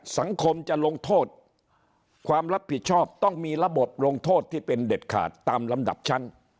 สังคมจะลงโทษความรับผิดชอบต้องมีระบบลงโทษที่เป็นเด็ดขาดตามลำดับชั้น